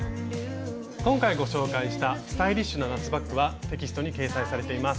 今回ご紹介したスタイリッシュな夏バッグはテキストに掲載されています。